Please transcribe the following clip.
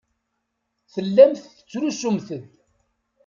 Tellamt tettrusumt-d.